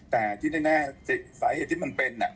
แต่ที่แน่สาเหตุที่มันเป็น